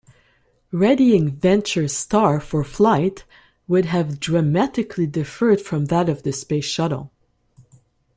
Readying VentureStar for flight would have dramatically differed from that of the Space Shuttle.